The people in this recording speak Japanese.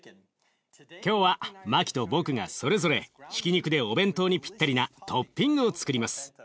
今日はマキと僕がそれぞれひき肉でお弁当にぴったりなトッピングをつくります。